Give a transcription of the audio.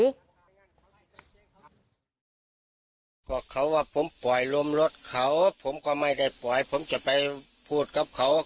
ก็เขาว่าผมปล่อยลมรถเขาผมก็ไม่ได้ปล่อยผมจะไปพูดกับเขา